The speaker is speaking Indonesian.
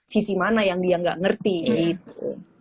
sisi mana yang dia nggak ngerti gitu